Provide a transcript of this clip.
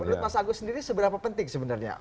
menurut mas agus sendiri seberapa penting sebenarnya